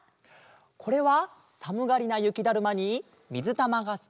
これはさむがりなゆきだるまにみずたまがすきなしまうま。